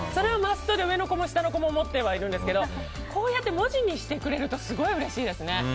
上の子も下の子も持ってはいるんですけどこうやって文字にしてくれるとすごいうれしいですね。